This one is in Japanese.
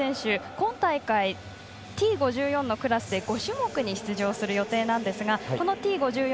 今大会、Ｔ５４のクラスで５種目に出場する予定ですがこのＴ５４